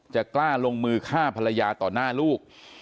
กล้าลงมือฆ่าภรรยาต่อหน้าลูก